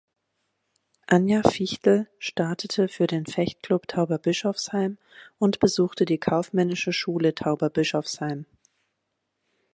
Anja Fichtel startete für den Fecht-Club Tauberbischofsheim und besuchte die Kaufmännische Schule Tauberbischofsheim.